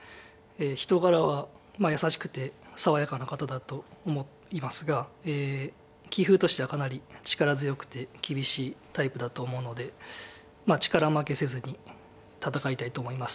人柄は優しくて爽やかな方だと思いますが棋風としてはかなり力強くて厳しいタイプだと思うのでまあ力負けせずに戦いたいと思います。